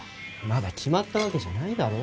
まだ決まったわけじゃないだろ。